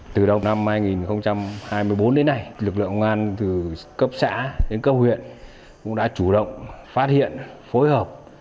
từ đầu năm hai nghìn hai mươi bốn đến nay lực lượng công an từ cấp xã đến cấp huyện cũng đã chủ động phát hiện phối hợp